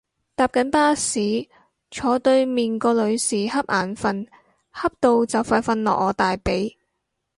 搭緊巴士，坐對面個女士恰眼瞓恰到就快瞓落我大髀